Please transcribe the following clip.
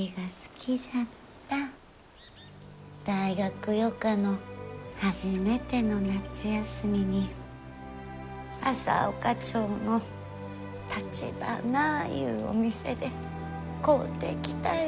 大学予科の初めての夏休みに朝丘町のたちばないうお店で買うてきたよ